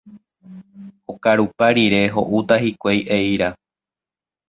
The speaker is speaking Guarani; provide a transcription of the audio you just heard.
Okarupa rire ho'úta hikuái eíra.